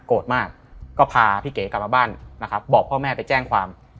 มากก็พาพี่เก๋กลับมาบ้านนะครับบอกพ่อแม่ไปแจ้งความ